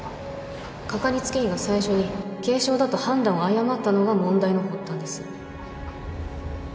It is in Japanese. かかりつけ医が最初に軽症だと判断を誤ったのが問題の発端です